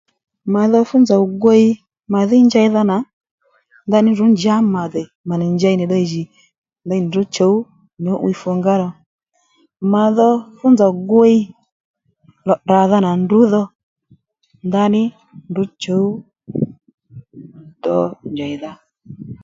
Màdho fú nzòw gwiy màdhí njeydha nà ndaní ndrǔ njǎ mà dè mà nì njěy nì ddiy jì ndaní ndrǔ chǔw nyǔ'wiy fungá Màdho fú nzòw gwiy lò tdràdha nà ndrǔ dho ndaní ndrǔ chǔw do njèydha